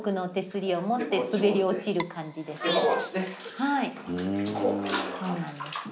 はいそうなんですね。